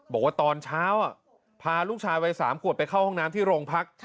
บอกว่าตอนเช้าพาลูกชายวัย๓ขวบไปเข้าห้องน้ำที่โรงพัก